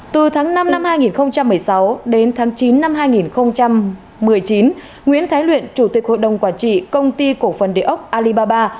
từ tháng năm năm hai nghìn một mươi sáu đến tháng chín năm hai nghìn một mươi chín nguyễn thái luyện chủ tịch hội đồng quản trị công ty cổ phần địa ốc alibaba